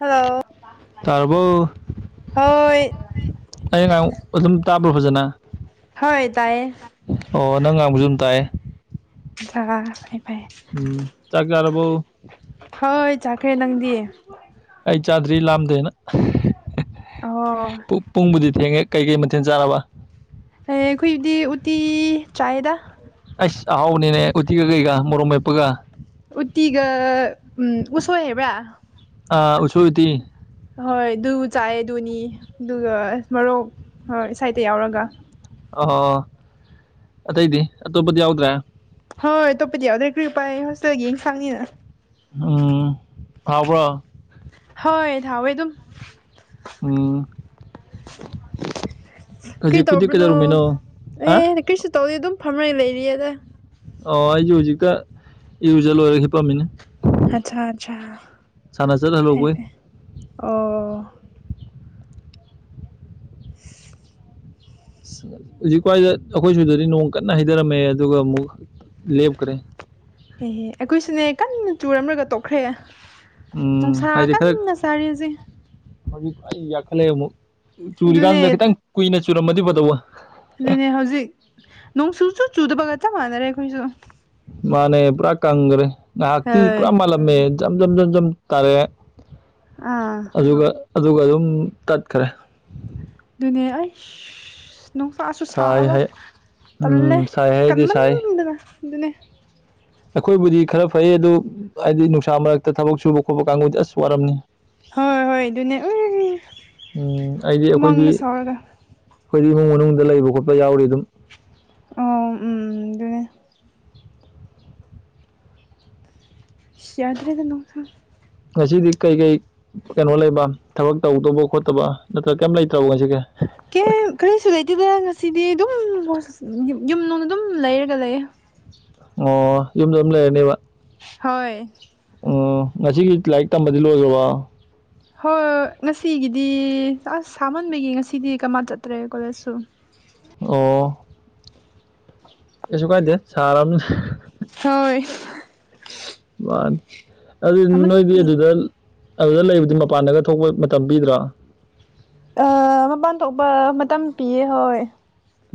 hello ꯇꯥꯔꯕꯣ ꯍꯣꯏ [unintelligible] ꯑꯩꯅ ꯉꯡ ꯑꯗꯨꯝ ꯇꯥꯕ꯭ꯔꯥ ꯐꯖꯅ ꯍꯣꯏ ꯇꯥꯏꯌꯦ ꯑꯣ ꯅꯪ ꯉꯥꯡꯕꯁꯨ ꯑꯗꯨꯝ ꯇꯥꯏ ꯍꯥꯏ ꯄ ꯎꯝ ꯆꯥꯛ ꯆꯔꯕꯨꯣ ꯍꯣꯏ ꯆꯥꯈ꯭ꯔꯦ ꯅꯪꯗꯤ ꯑꯩ ꯆꯥꯗ꯭ꯔꯤ ꯂꯥꯝꯗ꯭ꯔꯦꯅ ꯑꯣ ꯄꯨ ꯄꯨꯡꯕꯨꯗꯤ ꯊꯦꯡꯉꯦ ꯀꯩꯀꯩ ꯃꯊꯦꯜ ꯆꯥꯔꯕ ꯑꯩꯈꯣꯏꯗꯤ ꯎꯠꯇꯤ ꯆꯥꯏ‌ꯦꯗ ꯑꯁ ꯑꯍꯥꯎꯅꯤꯅꯦ ꯎꯇꯤꯒ ꯀꯩꯒ ꯃꯣꯔꯣꯛ ꯃꯦꯄꯒ ꯎꯇꯤꯒ ꯎꯝ ꯎꯁꯣꯏ ꯍꯥꯏꯕ꯭ꯔꯥ ꯑꯥ ꯎꯁ‌ꯣꯏ ꯎꯇꯤ ꯑꯍꯣꯏ ꯑꯗꯨ ꯆꯥꯏꯑꯦ ꯑꯗꯨꯅꯤ ꯑꯗꯨꯒ ꯑ ꯃꯔꯣꯛ ꯍꯣꯏ ꯁꯥꯏꯠꯇ ꯌꯥꯎꯔꯒ ꯑꯣ ꯑꯇꯩꯗꯤ ꯑꯇꯣꯞꯄꯗꯤ ꯌꯥꯎꯗ꯭ꯔꯦ ꯍꯣꯏ ꯑꯇꯣꯞꯄꯗꯤ ꯌꯥꯎꯗ꯭ꯔꯦ ꯀ꯭ꯔꯤ ꯎꯄꯥꯏ ꯍꯣꯁꯇꯦꯜꯒꯤ ꯌꯦꯟꯁꯥꯡꯅꯤ ꯎꯝ ꯍꯥꯎꯕꯔ‌ꯣ ꯍꯣꯏ ꯍꯥꯎꯋꯦꯗꯨꯝ ꯎꯝ ꯀꯔꯤ ꯍꯧꯖꯤꯛꯄꯨꯗꯤ ꯇꯣꯕꯅꯣ ꯀꯩꯗꯧꯔꯝꯃꯤꯅꯣ ꯍꯥ ꯑꯦ ꯀꯔꯤꯁꯨ ꯇꯧꯗꯦ ꯑꯗꯨꯝ ꯐꯝꯃꯒ ꯂꯩꯔꯤꯌꯦꯗ ꯑꯣ ꯑꯩꯖꯨ ꯍꯧꯖꯤꯛꯇ ꯏꯔꯖ ꯂꯣꯏꯔꯒ ꯍꯤꯞꯄꯝꯃꯤꯅꯦ ꯑꯠꯁꯥ ꯑꯠꯁꯥ ꯁꯥꯟꯅ ꯆꯠ ꯐꯩ ꯍꯜꯂꯨꯕꯩ ꯐꯩ ꯑꯣ ꯍꯧꯖꯤꯛꯋꯥꯏꯗ ꯑꯩꯈꯣꯏꯁꯨꯗꯗꯤ ꯅꯣꯡ ꯀꯟꯅ ꯍꯩꯊꯔꯝꯃꯦ ꯑꯗꯨꯒ ꯑꯃꯨꯛ ꯂꯦꯞꯈꯔꯦ ꯑꯦꯍꯦ ꯑꯩꯈꯣꯏꯁꯨꯅꯦ ꯀꯟꯅ ꯆꯨꯔꯝꯂꯒ ꯇꯣꯛꯈ꯭ꯔꯦ ꯎꯝ ꯅꯨꯡꯁꯥ ꯍꯥꯏꯗꯤ ꯈꯔ ꯀꯟꯅꯥ ꯁꯥꯔꯤ ꯍꯧꯖꯤꯛ ꯍꯧꯖꯤꯛ ꯑꯩ ꯌꯥꯈꯠꯂꯛꯑꯦ ꯑꯃꯨꯛ ꯑꯗꯨꯅꯦ ꯆꯨꯔꯤꯀꯥꯟꯗꯨꯗ ꯈꯤꯇꯪ ꯀꯨꯏꯅ ꯆꯨꯔꯝꯃꯗꯤ ꯐꯗꯧꯕ ꯋꯥ ꯑꯗꯨꯅꯦ ꯍꯧꯖꯤꯛ ꯅꯣꯡ ꯆꯨ ꯆꯨ ꯆꯨꯗꯕꯒ ꯆꯞ ꯃꯥꯟꯅꯔꯦ ꯑꯩꯈꯣꯏꯁꯨ ꯃꯥꯅꯦ ꯄꯨꯔꯥ ꯀꯪꯒꯔꯦ ꯉꯥꯏꯍꯥꯛꯇꯤ ꯍꯣꯏ ꯄꯨꯔꯥ ꯃꯥꯜꯂꯝꯃꯦ ꯖꯝ ꯖꯝ ꯖꯝ ꯖꯝ ꯇꯥꯔꯛ‍ꯦ ꯑꯥ ꯑꯗꯨꯒ ꯑꯗꯨꯒ ꯑꯗꯨꯝ ꯇꯠꯈ꯭ꯔꯦ ꯗꯨꯅꯤ ꯑꯩꯁ ꯅꯨꯡꯁꯥꯁꯨ ꯁꯥꯏ ꯁꯥꯕ ꯍꯥꯏ ꯎꯝ ꯇꯜꯂꯦ ꯁꯥꯏ ꯍꯥꯏꯗꯤ ꯁꯥꯏ ꯀꯟꯃꯟꯗꯅ ꯑꯗꯨꯅꯦ ꯑꯩꯈꯣꯏꯕꯨꯗꯤ ꯈꯔ ꯐꯩ ꯑꯗꯨ ꯍꯥꯏꯗꯤ ꯅꯨꯡꯁꯥ ꯃꯔꯛꯇ ꯊꯕꯛ ꯁꯨꯕ ꯈꯣꯠꯄ ꯀꯥꯡꯕꯨꯗꯤ ꯑꯁ ꯋꯥꯔꯝꯅꯤ ꯍꯣꯏ ꯍꯣꯏ ꯑꯗꯨꯅꯦ ꯎꯪ ꯎꯝ ꯑꯩꯗꯤ ꯑꯩꯈꯣꯏꯗꯤ ꯍꯨꯃꯥꯡꯒ ꯁꯧꯔꯒ ꯑꯩꯈꯣꯏꯗꯤ ꯏꯃꯨꯡ ꯃꯅꯨꯡꯗ ꯂꯩꯕ ꯈꯣꯠꯄ ꯌꯥꯎꯔꯤ ꯑꯗꯨꯝ ꯑꯣ ꯎꯝ ꯑꯗꯨꯅꯦ ꯁꯤ ꯌꯥꯗꯔꯦꯗ ꯅꯣꯡꯊ ꯉꯁꯤꯗꯤ ꯀꯩ ꯀꯩ ꯀꯩꯅꯣ ꯂꯩꯕ ꯊꯕꯛ ꯇꯧꯗꯧꯕ ꯈꯣꯠꯇꯕ ꯅꯠꯇ꯭ꯔꯒ ꯀꯩꯝ ꯂꯩꯇ꯭ꯔꯕ ꯉꯁꯤꯒꯦ ꯀꯦ ꯀꯔꯤꯁꯨ ꯂꯩꯇꯦꯗꯅ ꯉꯁꯤꯗꯤ ꯑꯗꯨꯝ ꯌꯨꯝꯅꯨꯡꯗ ꯑꯗꯨꯝ ꯂꯩꯔꯒ ꯂꯩꯌꯦ ꯑꯣ ꯌꯨꯝꯗ ꯑꯗꯨꯝ ꯂꯩꯔꯅꯦꯕ ꯍꯣꯏ ꯎꯝ ꯉꯁꯤꯒꯤ ꯂꯥꯏꯔꯤꯛ ꯇꯝꯕꯗꯤ ꯂꯣꯏꯈ꯭ꯔꯕꯣ ꯍꯣꯏ ꯉꯁꯤꯒꯤꯗꯤ ꯑꯁ ꯁꯥꯃꯟꯕꯒꯤ ꯉꯁꯤꯗꯤ ꯀꯃꯥꯏꯅ ꯆꯠꯇ꯭ꯔꯦ ꯀꯣꯂꯦꯖꯁꯨ ꯑꯣ ꯀꯩꯁꯨ ꯀꯥꯏꯗꯦ ꯁꯥꯔꯝꯅꯤ ꯍꯣꯏ ꯃꯥꯅꯤ ꯑꯗꯨꯗꯤ ꯅꯣꯏꯗꯤ ꯁꯥꯃꯟꯕꯤ ꯑꯗꯨꯗ ꯑꯗꯨꯗ ꯂꯩꯕꯗꯤ ꯃꯄꯥꯟꯗꯒ ꯊꯣꯛꯄ ꯃꯇꯝ ꯄꯤꯗ꯭ꯔꯣ ꯑ ꯃꯄꯥꯟ ꯊꯣꯛꯄ ꯃꯇꯝ ꯄꯤꯌꯦ ꯍꯣꯏ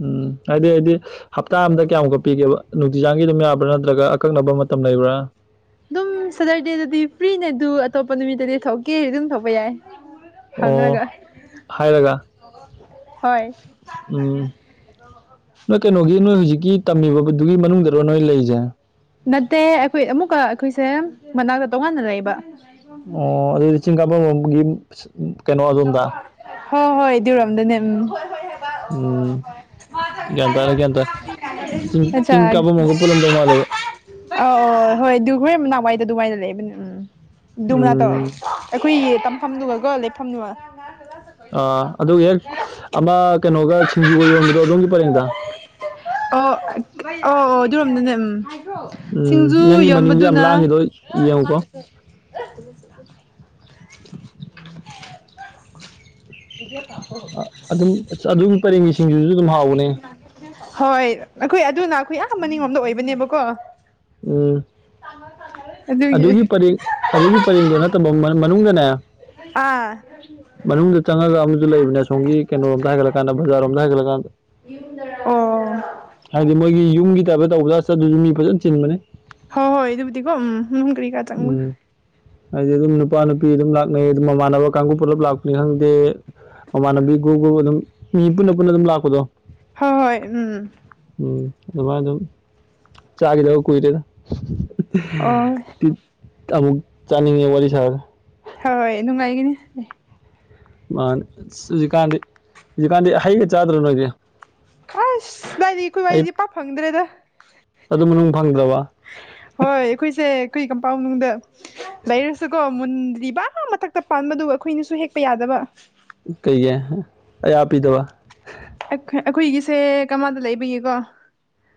ꯎꯝ ꯍꯥꯏꯗꯤ ꯍꯥꯏꯗꯤ ꯍꯞꯇꯥ ꯑꯝꯗ ꯀꯌꯥꯃꯨꯛꯀ ꯄꯤꯒꯦꯕ ꯅꯨꯡꯇꯤꯖꯥꯒꯤ ꯑꯗꯨꯝ ꯌꯥꯕ꯭ꯔꯥ ꯅꯠꯇ꯭ꯔꯒ ꯑꯀꯛꯅꯕ ꯃꯇꯝ ꯂꯩꯕ꯭ꯔꯥ ꯑꯗꯨꯝ ꯁꯇꯔꯗꯦꯗꯗꯤ ꯐ꯭ꯔꯤꯅꯦ ꯑꯗꯨ ꯑꯇꯣꯞꯄ ꯅꯨꯃꯤꯠꯇꯗꯤ ꯊꯣꯛꯀꯦꯗꯤ ꯑꯗꯨꯝ ꯊꯣꯛꯄ ꯌꯥꯏ ꯍꯪꯅꯒ ꯑꯣ ꯍꯥꯏꯔꯒ ꯍꯣꯏ ꯎꯝ ꯑ ꯅꯣꯏ ꯀꯩꯅꯣꯒꯤ ꯅꯣꯏ ꯍꯧꯨꯖꯤꯛꯀꯤ ꯇꯝꯃꯤꯕꯗꯨꯒꯤ ꯃꯅꯨꯡꯗꯔꯣ ꯅꯣꯏ ꯂꯩꯔꯤꯁꯦ ꯅꯠꯇꯦ ꯑꯩꯈꯣꯏ ꯑꯃꯨꯛꯀ ꯑꯩꯈꯣꯏꯁꯦ ꯃꯅꯥꯛꯇ ꯇꯣꯉꯥꯟꯅ ꯂꯩꯕ ꯑꯣ ꯑꯗꯨ ꯆꯤꯡ ꯀꯥꯕꯝ ꯂꯣꯝꯒꯤ ꯀꯩꯅꯣ ꯑꯗꯣꯝꯗ ꯍꯣꯏ ꯍꯣꯏ ꯑꯗꯨꯔꯣꯝꯗꯅꯦ ꯎꯝ ꯎꯝ ꯒ꯭ꯌꯥꯟ ꯇꯥꯔꯦ ꯒ꯭ꯌꯥꯟ ꯇꯥꯔꯦ ꯆꯤꯡ ꯆꯤꯡ ꯀꯥꯕꯝꯃꯒ ꯄꯨꯜꯂꯝꯗꯧ ꯃꯥꯜꯂꯦꯕ ꯑ ꯑ ꯍꯣꯏ ꯗꯨꯣꯏ ꯃꯅꯥꯎꯋꯥꯏꯗ ꯑꯗꯨꯃꯥꯏꯗ ꯂꯩꯕꯅꯦ ꯎꯝ ꯃꯅꯥꯠꯇꯧ ꯎꯝ ꯑꯩꯈꯣꯏ ꯇꯝꯐꯝꯗꯨꯉꯀꯣ ꯂꯩꯐꯝꯗꯨꯉ ꯑꯥ ꯑꯗꯨꯒ ꯍꯦꯛ ꯑꯃ ꯀꯩꯅꯣꯒ ꯁꯤꯡꯖꯨꯒ ꯌꯣꯟꯕꯗꯣ ꯑꯗꯣꯝꯒꯤ ꯄꯔꯦꯡꯗ ꯑꯣ ꯑꯣ ꯑꯣ ꯑꯗꯨꯔꯣꯝꯗꯅꯦ ꯎꯝ ꯎꯝ ꯁꯤꯡꯖꯨ ꯅꯪꯒꯤ ꯃꯅꯤꯡꯗꯤꯣ ꯌꯥꯝ ꯌꯣꯟꯕꯗꯨꯅ ꯂꯥꯡꯉꯤꯗꯣ ꯌꯦꯡꯉꯨꯀꯣ [inaudible] ꯏ ꯀꯄ ꯑꯗꯨꯝ ꯑꯗꯨꯒꯤ ꯄꯔꯦꯡꯒꯤ ꯁꯤꯡꯁꯤꯁꯨ ꯑꯗꯨꯝ ꯍꯥꯎꯕꯅꯦ ꯍꯣꯏ ꯑꯩꯈꯣꯏ ꯑꯗꯨꯅ ꯑꯩꯈꯣꯏ ꯃꯅꯤꯡꯂꯣꯝꯗ ꯑꯣꯏꯕꯅꯦꯕꯀꯣ ꯎꯝ ꯇꯥꯡꯃ ꯐꯥꯡꯉꯔ ꯑꯗꯨꯒꯤ ꯄꯔꯦꯡ ꯑꯗꯨꯒꯤ ꯄꯔꯦꯡꯗꯣ ꯅꯠꯇꯕ ꯃꯅꯨꯡꯗꯅꯦ ꯑꯥ ꯃꯅꯨꯡꯗ ꯆꯪꯉꯒ ꯑꯃꯁꯨ ꯂꯩꯕꯅꯤꯅꯦ ꯁꯣꯝꯒꯤ ꯀꯩꯅꯣꯝꯗ ꯍꯥꯏꯒꯠꯂꯀꯥꯟ ꯖꯥꯔꯣꯝꯗ ꯍꯥꯏꯒꯠꯂꯀꯥꯟꯗ ꯌꯨꯝꯗ ꯑꯣ ꯍꯥꯏꯗꯤ ꯃꯣꯏꯒꯤ ꯌꯨꯝꯒꯤ ꯇꯥꯏꯞꯇ ꯇꯧꯕꯗ꯭ꯔꯥ ꯆꯠ ꯑꯗꯨꯁꯨ ꯃꯤ ꯐꯖꯅ ꯆꯤꯟꯕꯅꯤ ꯍꯣꯏ ꯍꯣꯏ ꯑꯗꯨꯕꯨꯗꯤꯀꯣ ꯎꯝ ꯅꯅꯨꯡ ꯀꯔꯤ ꯀꯥꯏ ꯎꯝ ꯍꯥꯏꯗꯤ ꯑꯗꯨꯝ ꯅꯨꯄꯥ ꯅꯨꯄꯤ ꯑꯗꯨꯝ ꯂꯥꯛꯅꯩ ꯑꯗꯨꯝ ꯃꯃꯥꯟꯅꯕ ꯀꯥꯡꯕꯨ ꯄꯨꯂꯞ ꯂꯥꯛꯄꯅꯤ ꯈꯪꯗꯦ ꯃꯃꯥꯟꯅꯕꯤ ꯒꯨꯒ ꯑꯗꯨꯝ ꯃꯤ ꯄꯨꯟꯅ ꯄꯨꯟꯅ ꯑꯗꯨꯝ ꯂꯥꯛꯄꯗꯣ ꯍꯣꯏ ꯍꯣꯏ ꯎꯝ ꯎꯝ ꯑꯗꯨꯃꯥꯏꯅ ꯑꯗꯨꯝ ꯆꯥꯈꯤꯗꯕ ꯀꯨꯏꯗꯦꯗ ꯑꯣ ꯑꯃꯨꯛ ꯆꯥꯅꯤꯡꯉꯦ ꯋꯥꯔꯤ ꯁꯥꯔ ꯍꯣꯏ ꯍꯣꯏ ꯅꯨꯡꯉꯥꯏꯒꯅꯤ ꯃꯥꯅꯦ ꯑꯁ ꯍꯧꯖꯤꯛꯀꯥꯟꯗꯤ ꯍꯧꯖꯤꯛꯀꯥꯟꯗꯤ ꯍꯩꯒ ꯆꯥꯗ꯭ꯔꯣ ꯅꯣꯏꯗꯤ ꯈꯁ ꯗꯥꯏꯗꯤ ꯑꯩꯈꯣꯏꯏ ꯍꯩ ꯋꯥꯔꯤꯗꯤ ꯄꯥ ꯐꯪꯗ꯭ꯔꯦꯗ ꯑꯗꯨ ꯃꯅꯨꯡ ꯐꯪꯗꯔꯥꯕ ꯍꯣꯏ ꯑꯩꯈꯣꯏꯁꯦ ꯀꯩ ꯀꯝꯄꯥꯎꯅꯨꯡ ꯂꯩꯔꯁꯨꯀꯣ ꯃꯨꯟ꯭ꯔꯤꯕꯥ ꯃꯊꯛꯇ ꯄꯥꯟꯕꯗꯨ ꯑꯩꯈꯣꯏꯅꯁꯨ ꯍꯦꯛꯄ ꯌꯥꯗꯕ ꯀꯩ ꯑꯩꯗꯕ ꯑꯩꯈꯣꯏꯒꯤꯁꯦ ꯀꯃꯥꯏꯗ ꯂꯩꯕꯌꯦꯀꯣ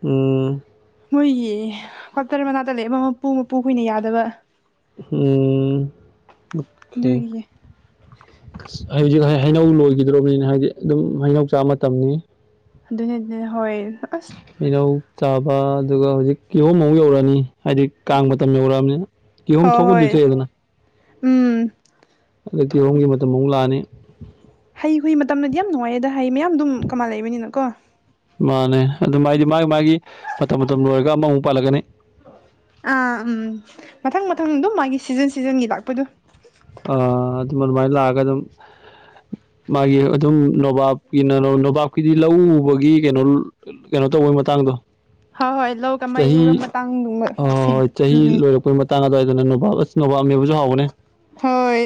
ꯎꯝ ꯃꯣꯏꯒꯤ ꯀ꯭ꯋꯥꯇꯔ ꯃꯅꯥꯛꯇ ꯂꯩꯕ ꯃꯄꯨ ꯃꯄꯨ ꯀꯨꯏꯅ ꯌꯥꯗꯕ ꯎꯝ ꯑꯣꯦ ꯑꯗꯨꯒꯤ ꯍꯧꯖꯤꯛ ꯍꯩꯅꯧ ꯂꯣꯏꯈꯤꯗ꯭ꯔꯕꯅꯤꯅ ꯍꯥꯏꯗꯤ ꯑꯗꯨꯝ ꯍꯩꯅꯧ ꯆꯥꯕ ꯃꯇꯝꯅꯤ ꯑꯗꯨꯅꯤ ꯑꯗꯨ ꯍꯣꯏ ꯑꯁ ꯍꯩꯅꯧ ꯆꯥꯕ ꯑꯗꯨꯒ ꯍꯧꯖꯤꯛ ꯀꯤꯍꯣꯝ ꯑꯃꯨ ꯌꯧꯔꯛꯑꯅꯤ ꯍꯥꯏꯗꯤ ꯀꯥꯡ ꯃꯇꯝ ꯌꯧꯔꯛꯑꯕꯅꯤꯅ ꯍꯣ ꯀꯤꯍꯣꯝ ꯊꯣꯛꯄꯨꯗꯤ ꯍꯣꯏ ꯊꯣꯛꯑꯦꯗꯅ ꯎꯝ ꯑꯗ ꯊꯣꯛꯄ ꯀꯤꯍꯣꯝꯒꯤ ꯃꯇꯝ ꯑꯃꯨꯛ ꯂꯥꯛꯑꯅꯤ ꯍꯩ ꯍꯨꯏ ꯃꯇꯝꯗꯗꯤ ꯌꯥꯝ ꯅꯨꯡꯉꯥꯏꯌꯦ ꯑꯗ ꯍꯩ ꯃꯌꯥꯝ ꯑꯗꯨꯝ ꯀꯃꯥꯏꯅ ꯂꯩꯕꯅꯤꯅꯀꯣ ꯃꯥꯅꯦ ꯑꯗꯨ ꯃꯥꯗꯤ ꯃꯥꯒꯤ ꯃꯥꯒꯤ ꯃꯇꯝ ꯃꯇꯝ ꯂꯣꯏꯔꯒ ꯑꯃꯃꯨꯛ ꯄꯥꯜꯂꯛꯀꯅꯤ ꯑꯥ ꯎꯝ ꯃꯊꯪ ꯃꯊꯪ ꯑꯗꯨꯝ ꯃꯥꯒꯤ ꯁꯤꯖꯟ ꯁꯤꯖꯟꯒꯤ ꯂꯥꯛꯄꯗꯣ ꯑ ꯑꯗꯨꯝ ꯑꯗꯨꯃꯥꯏꯅ ꯂꯥꯛꯑꯒ ꯑꯗꯨꯝ ꯃꯥꯒꯤ ꯑꯗꯨꯝ ꯅꯣꯕꯥꯞꯀꯤꯅ ꯅꯣꯕꯥꯞꯀꯤꯗꯤ ꯂꯧ ꯎꯕꯒꯤ ꯀꯩꯅꯣ ꯀꯩꯅꯣ ꯇꯧꯕꯒꯤ ꯃꯇꯥꯡꯗꯣ ꯍꯣꯏ ꯍꯣꯏ ꯂꯧꯒ ꯆꯍꯤ ꯑꯃꯕ ꯃꯇꯥꯡ ꯎꯝ ꯎꯝ ꯑꯗꯨ ꯃꯇꯥꯡ ꯑꯗꯋꯥꯏꯗꯅ ꯅꯨꯚꯁꯤ ꯅꯣꯝꯌꯥꯝꯕꯨꯁꯨꯍꯥꯎ ꯍꯣꯏ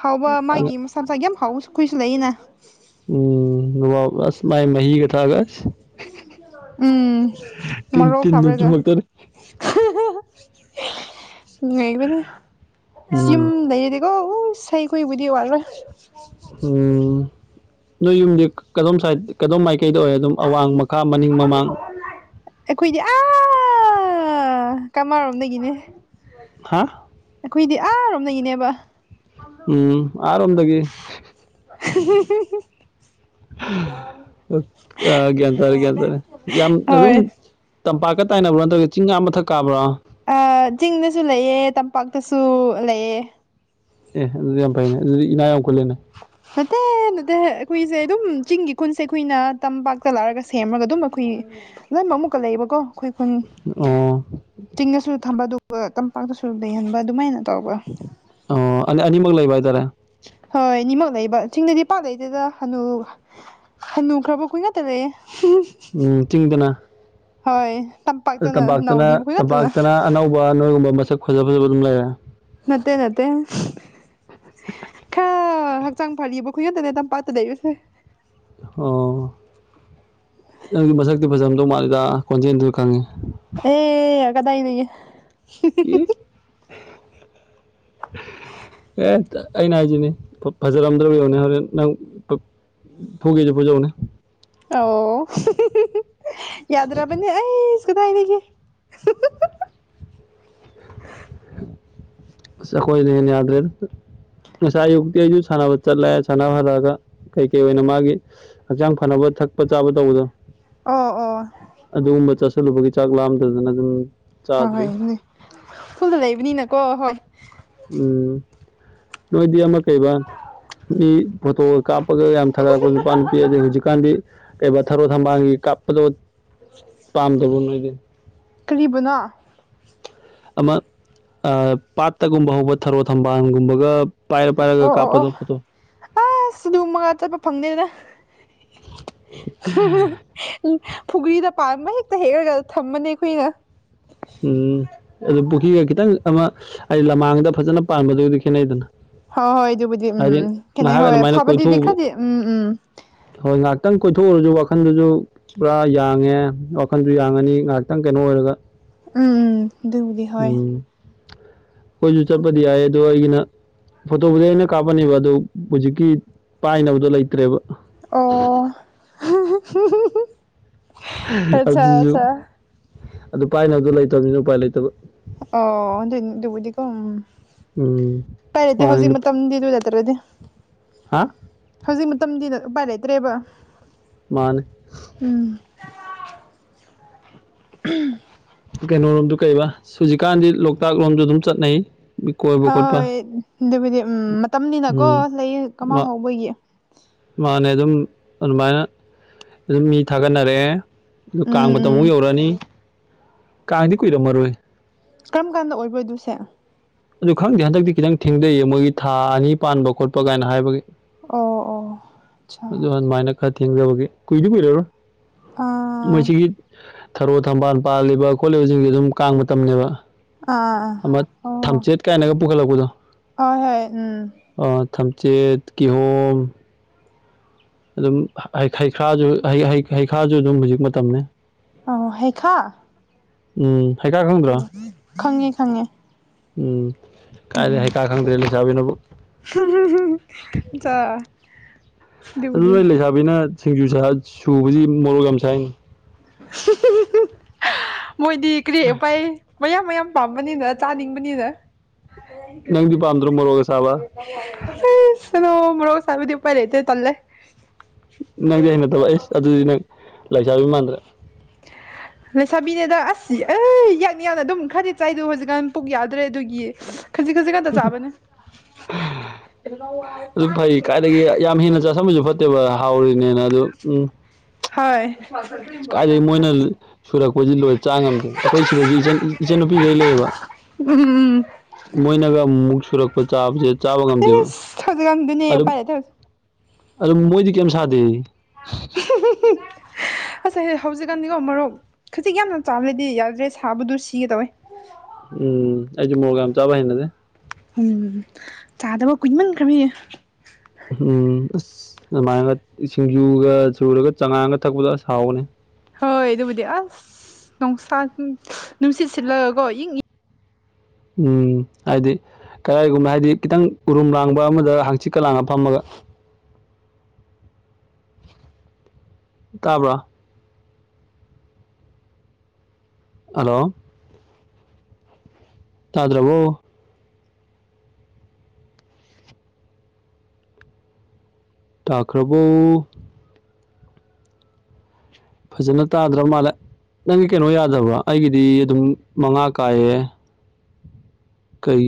ꯍꯥꯎ ꯃꯥ ꯆꯥ ꯆꯥꯒꯤ ꯌꯥꯝ ꯐꯥꯎꯁꯨꯨꯏꯁꯨꯂ ꯂꯩꯌꯦꯅ ꯎꯝ ꯑꯁ ꯃꯥꯏ ꯃꯍ ꯍꯒ ꯊꯥꯒꯁ ꯎꯝ ꯇꯤꯟ ꯃꯅ ꯔꯣ ꯇꯤꯟꯗꯨꯝ ꯈꯕꯔꯦꯗ ꯆꯨꯝꯃꯛꯇꯣꯔꯦ ꯂꯩꯕꯅꯦ ꯌꯨꯝ ꯎꯝ ꯂꯩ ꯑ ꯎ ꯏꯁꯩ ꯀꯕꯨꯗꯤ ꯋꯥꯜ ꯎꯝ ꯅꯣꯏ ꯌꯨꯝꯗꯤ ꯀꯗꯣꯝ ꯁꯥꯏꯗ ꯀꯗꯣꯝ ꯃꯥꯏꯀꯩꯗ ꯑꯣꯏꯔ ꯑꯗꯨꯝ ꯑꯋꯥꯡꯃ ꯈꯥ ꯃꯅꯤꯡ ꯃꯃꯥꯡ ꯑꯩꯈꯣꯏꯗꯤ ꯑꯥ ꯀꯃꯔꯣꯝꯗꯒꯤꯅꯦ ꯍꯥ ꯑꯩꯈꯣꯏꯗꯤ ꯑꯥꯔꯣꯝꯅꯏꯅꯦꯕ ꯎꯝ ꯑꯥꯔꯣꯝꯗꯒꯤ [inaudible] ꯑ ꯒ꯭ꯌꯥꯟ ꯇꯔꯦ ꯒ꯭ꯌꯥꯟ ꯇꯥꯔꯦ ꯌꯥꯝ ꯑꯗꯨꯝ ꯍꯣꯏ ꯇꯝꯄꯥꯛꯀ ꯇꯥꯏꯅꯕ꯭ꯔꯣ ꯅꯠꯇ꯭ꯔꯒ ꯆꯤꯡꯒꯥ ꯃꯊꯛ ꯀꯥꯕ꯭ꯔꯣ ꯑ ꯆꯤꯡꯗꯁꯨ ꯂꯩꯑꯦ ꯇꯝꯄꯥꯛꯇꯁꯨ ꯂꯩꯌꯦ ꯑꯦ ꯑꯗꯨꯗꯤ ꯌꯥꯝ ꯐꯩꯅꯦ ꯑꯗꯨꯗꯤ ꯏꯅꯥꯎꯒꯜꯂꯦꯅꯦ ꯅꯠꯇꯦ ꯅꯠꯇꯦ ꯑꯩꯈꯣꯏꯁꯦ ꯑꯗꯨꯝ ꯆꯤꯡꯒꯤ ꯈꯨꯟꯁꯦ ꯑꯩꯈꯣꯏꯅ ꯇꯝꯄꯥꯛꯇ ꯂꯛꯑꯒ ꯁꯦꯝꯃꯒ ꯑꯗꯨꯝ ꯑꯩꯈꯣꯏ ꯂꯣꯏ ꯑꯃꯨꯛꯀ ꯂꯩꯌꯦꯕꯀꯣ ꯑꯩꯈꯣꯏ ꯑꯣ ꯆꯤꯡꯅꯁꯨ ꯊꯝꯕ ꯑꯗꯨꯒ ꯇꯝꯄꯥꯛꯇꯁꯨ ꯂꯩꯍꯟꯕ ꯑꯗꯨꯃꯥꯏꯅ ꯇꯧꯕ ꯑꯣ ꯑ ꯑꯅꯤꯃꯛ ꯂꯩꯕ ꯍꯥꯏꯇꯥꯔꯦ ꯍꯣꯏ ꯑꯅꯤꯃꯛ ꯂꯩꯕ ꯆꯤꯡꯗꯗꯤ ꯄꯥꯛ ꯂꯩꯗꯦꯗ ꯍꯅꯨ ꯍ ꯅꯨꯈ꯭ꯔꯕꯨꯣ ꯈꯨꯒ ꯇꯔꯦ ꯆꯤꯡꯗꯅ ꯍꯣꯏ ꯇꯄꯠ ꯇꯄꯥꯛꯇꯅ ꯇꯝꯄꯥꯛꯇꯅ ꯑꯅꯧꯕ ꯅꯣꯏꯒꯨꯝꯕ ꯃꯁꯛ ꯐꯖ ꯐꯖꯕ ꯑꯗꯨꯝ ꯂꯩꯔꯦ ꯅꯠꯇꯦ ꯅꯠꯇꯦ ꯈ ꯍꯛꯆꯥꯡ ꯐꯔꯤ ꯕꯨꯈꯗꯅꯦꯗ ꯄꯠꯇ ꯂꯩꯁꯦ ꯑꯣ ꯅꯪꯗꯤ ꯃꯁꯛꯇꯤ ꯐꯖꯝꯗꯧ ꯃꯥꯜꯂꯤꯦꯗ ꯀꯣꯟꯖꯦꯜꯗꯨ ꯈꯪꯉꯤ ꯑꯦ ꯀꯗꯥꯏ ꯅꯌꯦ ꯏ ꯑꯦ ꯑꯩꯅ ꯍꯥꯏꯁꯤꯅꯤ ꯐꯖꯔꯝꯗ꯭ꯔꯕ ꯌꯧꯅꯤ ꯍꯣꯔꯦꯟ ꯅꯪ ꯐꯨꯒꯦꯁꯨ ꯐꯨꯖꯧꯅꯦ ꯑꯣ ꯌꯥꯗ꯭ꯔꯕꯅꯤ ꯑꯩꯁ ꯀꯗꯥꯥꯏꯒꯦ ꯁꯈꯣꯏꯣꯏꯅꯦ ꯌꯥꯗ꯭ꯔꯦ ꯉꯁꯥꯏ ꯑꯌꯨꯛꯇꯤ ꯑꯩꯁꯨ ꯁꯥꯟꯅꯕ ꯆꯠꯂꯦ ꯁꯥꯟꯅꯕ ꯍꯜꯂꯛꯑꯒ ꯀꯩꯀꯩ ꯑꯣꯏꯅ ꯃꯥꯒꯤ ꯍꯛꯆꯥꯡ ꯐꯅꯕ ꯊꯛꯄ ꯆꯥꯕ ꯇꯧꯕꯗꯣ ꯑꯣ ꯑꯣ ꯑꯗꯨꯒꯨꯝꯕ ꯆꯥꯁꯤꯜꯂꯨꯕꯒꯤ ꯆꯥꯛ ꯂꯥꯝꯗꯗꯅ ꯑꯗꯨꯝ ꯍꯣꯏ ꯆꯥꯗ꯭ꯔꯤ ꯍꯣꯏꯅꯦ ꯁꯨꯜꯗ ꯂꯩꯕꯅꯤꯅꯀꯣ ꯍꯣꯏ ꯎꯝ ꯅꯣꯏꯗꯤ ꯑꯃ ꯀꯩꯕ ꯃꯤ ꯐꯣꯇꯣ ꯀꯥꯞꯄꯒ ꯌꯥꯝ ꯊꯥꯒꯠꯂꯛꯄ ꯅꯨꯄꯥ ꯅꯨꯄꯤ ꯑꯗꯩ ꯍꯧꯖꯤꯛꯀꯥꯟꯗꯤ ꯀꯩ ꯊꯔꯣ ꯊꯝꯕꯥꯜꯒꯤ ꯀꯥꯞꯄꯗꯣ ꯎ ꯄꯥꯝꯗꯕꯔꯣ ꯅꯣꯏꯗꯤ ꯀꯔꯤꯕꯨꯅꯣ ꯑꯃ ꯑ ꯄꯥꯠꯇꯒꯨꯝꯕ ꯍꯧꯕ ꯊꯔꯣ ꯊꯝꯕꯥꯜꯒꯨꯝꯕꯒ ꯄꯥꯏꯔꯞ ꯑꯣ ꯑꯣ ꯑꯣ ꯑꯁ ꯅꯣꯡ ꯃꯉꯥ ꯆꯠꯄ ꯐꯪꯗꯦꯗ ꯐꯨꯒ꯭ꯔꯤꯗ ꯄꯥꯟꯕ ꯍꯦꯛꯇ ꯍꯦꯛꯂꯒ ꯊꯝꯕꯅꯦ ꯑꯩꯈꯣꯏꯅ ꯎꯝ ꯑꯗꯨ ꯄꯨꯈ꯭ꯔꯤꯒ ꯈꯤꯇꯪ ꯑꯃ ꯑꯩꯗꯤ ꯂꯃꯥꯡꯗ ꯐꯖꯅ ꯄꯥꯟꯕꯗꯨꯒꯗꯤ ꯈꯦꯠꯅꯩꯗꯅ ꯍꯣꯏ ꯍꯣꯏ ꯑꯗꯨꯕꯨꯗꯤ ꯎꯝ ꯍꯥꯏꯗꯤ ꯈꯦꯅꯩ ꯉꯥꯏꯍꯥꯛ ꯍꯣꯏ ꯑꯗꯨꯃꯥꯏꯅ ꯐꯕꯗꯨꯗꯤ ꯀꯣꯏꯊꯣꯛꯎꯕ ꯈꯔꯗꯤ ꯎꯝ ꯎꯝ ꯍꯣꯏ ꯉꯥꯏꯍꯥꯛꯇꯪ ꯀꯣꯏꯊꯣꯛꯎꯔꯁꯨ ꯋꯥꯈꯟꯗꯨꯁꯨ ꯄꯨꯔꯥ ꯌꯥꯡꯉꯦ ꯋꯥꯈꯜꯁꯨ ꯌꯥꯡꯉꯅꯤ ꯉꯥꯏꯍꯥꯛꯇꯪ ꯀꯩꯅꯣ ꯑꯣꯏꯔꯒ ꯎꯝ ꯎꯝ ꯗꯨꯕꯨꯗꯤ ꯎꯝ ꯈꯣꯏꯁꯨ ꯆꯠꯄꯗꯤ ꯌꯥꯏ ꯑꯗꯣ ꯑꯩꯒꯤꯅ ꯐꯣꯇꯣꯕꯨꯗꯤ ꯑꯩꯅ ꯀꯥꯞꯄꯅꯦꯕ ꯑꯗꯨ ꯍꯧꯖꯤꯛꯀꯤ ꯄꯥꯏꯅꯕꯗꯣ ꯂꯩꯇ꯭ꯔꯦꯕ ꯑꯣ ꯑꯠꯆꯥ ꯑꯗꯨꯁꯨ ꯑꯠꯆꯥ ꯑꯗꯨ ꯄꯥꯏꯅꯕꯗꯣ ꯂꯩꯇꯕꯅꯤꯅ ꯎꯄꯥꯏ ꯂꯩꯇꯕ ꯑꯣ ꯗꯨꯏ ꯗꯨꯕꯨꯗꯤꯀꯣ ꯎꯝ ꯄꯔꯗꯤ ꯍꯧꯖꯤꯛ ꯃꯥꯅꯤ ꯃꯇꯝꯗꯤ ꯏꯔꯨꯖꯗꯔꯗꯤ ꯍꯥ ꯍꯧꯖꯤꯛ ꯃꯇꯝꯗꯤꯅ ꯎꯄꯥꯏ ꯂꯩꯇ꯭ꯔꯦꯕ ꯃꯥꯅꯦ ꯎꯝ [unintelligible] ꯀꯩꯅꯣꯔꯣꯝꯗꯣ ꯀꯩꯕ ꯍꯨꯖꯤꯛꯀꯥꯟꯗꯤ ꯂꯣꯛꯇꯥꯛ ꯂꯣꯝꯗ ꯗꯨꯝ ꯆꯠꯅꯩ ꯀꯣꯏꯕ ꯈꯣꯠꯄ ꯍꯣꯏ ꯑꯗꯨꯕꯨꯗꯤ ꯎꯝ ꯃꯇꯝꯅꯤꯅꯀꯣ ꯎꯝ ꯂꯩꯌꯦ ꯀꯃꯥ ꯃꯥ ꯍꯧꯕꯒꯤ ꯃꯥꯅꯦ ꯑꯗꯨꯝ ꯑꯗꯨꯃꯥꯏꯅ ꯑꯗꯨꯝ ꯃꯤ ꯊꯥꯒꯠꯅꯔꯛꯑꯦ ꯑꯗꯨ ꯀꯥꯡ ꯎꯝ ꯃꯇꯝ ꯎꯝ ꯑꯃꯨꯛ ꯌꯧꯔꯛꯑꯅꯤ ꯀꯥꯡꯗꯤ ꯀꯨꯏꯔꯝꯃꯔꯣꯏ ꯀꯔꯝ ꯀꯥꯟꯗ ꯑꯣꯏꯕꯗꯨꯁꯦ ꯑꯗꯨ ꯈꯪꯗꯦ ꯍꯟꯗꯛꯇꯤ ꯈꯤꯇꯪ ꯊꯦꯡꯗꯩꯌꯦ ꯃꯣꯏꯒꯤ ꯊꯥ ꯑꯅꯤ ꯄꯥꯟꯕ ꯈꯣꯠꯄ ꯒꯥꯏꯅ ꯍꯥꯏꯕꯒꯤ ꯑꯣ ꯑꯣ ꯑꯗꯨ ꯑꯗꯨꯃꯥꯏꯅ ꯈꯔ ꯊꯦꯡꯗꯕꯒꯤ ꯀꯨꯏꯗꯤ ꯀꯨꯏꯔꯔꯣꯏ ꯑꯥ ꯃꯣꯏꯁꯤꯒꯤ ꯊꯔꯣ ꯊꯝꯕꯥꯜ ꯄꯥꯜꯂꯤꯕ ꯈꯣꯠꯂꯤꯕꯁꯤꯡꯁꯦ ꯑꯗꯨꯝ ꯀꯥꯡ ꯃꯇꯝꯅꯦꯕ ꯑ ꯑ ꯑ ꯑꯃ ꯊꯝꯆꯦꯠ ꯀꯥꯏꯅꯒ ꯄꯨꯈꯠꯂꯛꯄꯗꯣ ꯑ ꯍꯣꯏ ꯎꯝ ꯑ ꯊꯝꯆꯦꯠ ꯀꯤꯍꯣꯝ ꯑꯗꯨꯝ ꯍꯩꯈ꯭ꯥꯁꯨ ꯍꯩ ꯍꯩ ꯍꯩꯈꯥꯁꯨ ꯑꯗꯨꯝ ꯍꯧꯖꯤꯛ ꯃꯇꯝꯅꯤ ꯑ ꯍꯩꯈꯥ ꯎꯝ ꯍꯩꯈꯥ ꯈꯪꯗ꯭ꯔꯣ ꯈꯪꯉꯦ ꯈꯪꯉꯦ ꯎꯝ ꯀꯥꯏꯗꯩ ꯍꯩꯈꯥ ꯈꯪꯗ꯭ꯔꯦ ꯂꯩꯁꯥꯕꯤꯅꯕꯨ ꯍꯨꯡ ꯍꯨꯡ ꯍꯨꯡ ꯍꯨꯡ ꯆꯥ ꯑꯗꯨ ꯅꯣꯏ ꯂꯩꯁꯥꯕꯤꯅ ꯁꯤꯡꯖꯨ ꯆꯥ‌ ꯁꯨꯕꯁꯤ ꯃꯣꯔꯣꯛ ꯌꯥꯝ ꯁꯥꯏꯅꯤ ꯃꯣꯏꯗꯤ ꯀꯔꯤ ꯎꯄꯥꯏ ꯃꯌꯥꯝ ꯃꯌꯥꯝ ꯄꯥꯝꯕꯅꯤꯅ ꯆꯥꯅꯤꯡꯕꯅꯤꯅ ꯅꯪꯗꯤ ꯄꯥꯟꯗ꯭ꯔꯣ ꯃꯔꯣꯛ ꯑꯁꯥꯕ ꯑꯁ ꯑꯗꯣ ꯃꯣꯔꯣꯛ ꯁꯥꯕꯗꯤ ꯎꯄꯥꯏ ꯂꯩꯇꯦ ꯇꯜꯂꯦ ꯅꯪꯗꯤ ꯍꯩꯅꯗꯕ ꯑꯩꯁ ꯑꯗꯨꯗꯤ ꯅꯪ ꯂꯩꯁꯥꯕꯤ ꯃꯥꯟꯗ꯭ꯔꯦ ꯂꯩꯁꯥꯕꯤꯅꯦꯗ ꯑꯁ ꯑ ꯌꯥꯛꯅ ꯌꯥꯛꯅ ꯑꯗꯨꯝ ꯈꯔꯗꯤ ꯆꯥꯏꯗꯣ ꯍꯧꯖꯤꯛꯀꯥꯟ ꯄꯨꯛ ꯌꯥꯗ꯭ꯔꯦ ꯑꯗꯨꯒꯤ ꯈꯖꯤꯛ ꯈꯖꯤꯛ ꯈꯛꯇ ꯆꯥꯕꯅꯦ ꯑꯗꯨ ꯐꯩ ꯀꯥꯏꯗꯒꯤ ꯌꯥꯝ ꯍꯦꯟꯅ ꯆꯥꯁꯟꯕꯁꯨ ꯐꯠꯇꯦꯕ ꯍꯥꯎꯔꯤꯅꯦꯅ ꯑꯗꯨ ꯎꯝ ꯍꯥꯏ ꯀꯥꯏꯗꯩ ꯃꯣꯏꯅ ꯁꯨꯔꯛꯄꯁꯤ ꯂꯣꯏ ꯆꯥ ꯉꯝꯗꯦ ꯑꯩꯈꯣꯏ ꯁꯤꯗꯁꯨ ꯏꯆꯟ ꯏꯆꯟꯅꯨꯄꯤꯈꯩ ꯂꯩꯌꯦꯕ ꯎꯝ ꯎꯝ ꯎꯝ ꯃꯣꯏꯅꯒ ꯃꯨꯛ ꯁꯨꯔꯛꯄ ꯆꯥꯕꯁꯦ ꯆꯥꯕ ꯉꯝꯗꯦꯕ ꯑꯦꯁ ꯍꯧꯖꯤꯛꯀꯥꯟꯗꯨꯅꯦ ꯑꯗꯨꯝ ꯎꯄꯥꯏ ꯂꯩꯇꯦ ꯑꯗꯨꯝ ꯃꯣꯏꯗꯤ ꯀꯩꯝ ꯁꯥꯗꯦ [unintelligible] ꯑꯁ ꯑꯩ ꯍꯧꯖꯤꯛꯀꯥꯟꯗꯤꯀꯣ ꯃꯔꯣꯛ ꯈꯖꯤꯛ ꯌꯥꯝꯅ ꯆꯥꯔꯗꯤ ꯌꯥꯗ꯭ꯔꯦ ꯁꯤꯒꯦ ꯇꯧꯋꯦ ꯎꯝ ꯑꯩꯁꯨ ꯃꯣꯔꯣꯛ ꯌꯥꯝ ꯆꯥꯕ ꯍꯩꯅꯗꯦ ꯎꯝ ꯆꯥꯗꯕ ꯀꯨꯏꯃꯟꯈ꯭ꯔꯃꯤꯃꯦ ꯎꯝ ꯑꯁ ꯑꯗꯨꯃꯥꯏꯅꯒ ꯁꯤꯡꯖꯨꯒ ꯆꯨꯔꯒ ꯆꯉꯥꯡꯒ ꯊꯛꯄꯗꯣ ꯑꯁ ꯍꯥꯎꯕꯅꯤ ꯍꯣꯏ ꯑꯗꯨꯕꯨꯗꯤ ꯑꯁ ꯅꯨꯡꯁꯥ ꯅꯨꯡꯁꯤꯠ ꯁꯤꯠꯂꯒꯀꯣ ꯏꯪ ꯎꯝ ꯍꯥꯏꯗꯤ ꯀꯗꯥꯏꯒꯨꯝꯕ ꯍꯥꯏꯗꯤ ꯈꯤꯇꯪ ꯎꯔꯨꯝ ꯂꯥꯡꯕ ꯑꯃꯗ ꯍꯥꯡꯆꯤꯛꯀ ꯂꯥꯡꯉ ꯐꯝꯃꯒ ꯇꯥꯕ꯭ꯔꯥ ꯑꯂꯣ ꯇꯥꯗ꯭ꯔꯕꯣ ꯇꯥꯈ꯭ꯔꯕꯣ ꯐꯖꯅ ꯇꯥꯗ꯭ꯔꯕ ꯃꯥꯜꯂꯦ ꯅꯪꯒꯤ ꯀꯩꯅꯣ ꯌꯥꯗꯕ꯭ꯔꯣ ꯑꯩꯒꯤꯗꯤ ꯑꯗꯨꯝ ꯃꯉꯥ ꯀꯥꯏꯌꯦ ꯀꯩ